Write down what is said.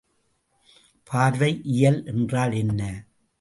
பார்வை இயல் என்றால் என்ன?